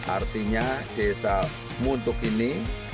artinya desa muntuk ini